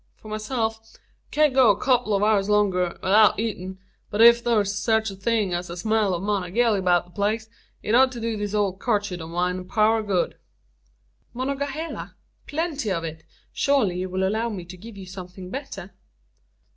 For myself, I ked go a kupple o' hours longer 'ithout eetin', but ef thur's sech a thing as a smell o' Monongaheely 'beout the place, it 'ud do this ole karkidge o' mine a power o' good." "Monongahela? plenty of it. Surely you will allow me to give you something better?"